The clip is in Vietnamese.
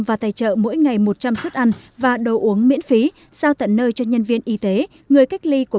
và tài trợ mỗi ngày một trăm linh suất ăn và đồ uống miễn phí giao tận nơi cho nhân viên y tế người cách ly của